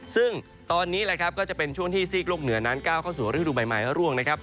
ซึ่งตอนนี้แหละครับก็จะเป็นช่วงที่ซีกโลกเหนือนั้นก้าวเข้าสู่ฤดูใหม่ร่วงนะครับ